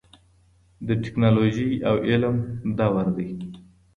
د ټیکنالوژۍ او علم دور دی.